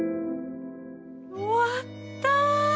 終わった。